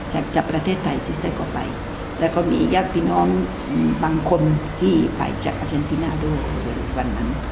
ใช่ค่ะจากประเทศไทยซิสเตอร์ก็ไปแล้วก็มีญาติพี่น้องบางคนที่ไปจากอาจันทินาดูวันนั้น